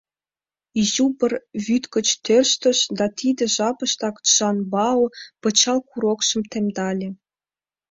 Изюбр вӱд гыч тӧрштыш, да тиде жапыштак Чжан-Бао пычал курокшым темдале.